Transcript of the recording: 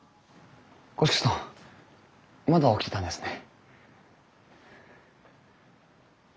五色さんまだ起きてたんですね。